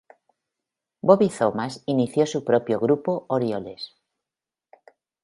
Bobby Thomas inició su propio grupo Orioles.